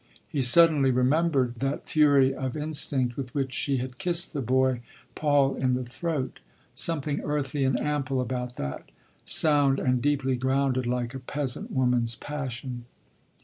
He suddenly remembered that fury of instinct with which she had kissed the boy Paul in the throat. Something earthy and ample about that, sound and deeply grounded like a peasant woman’s passion.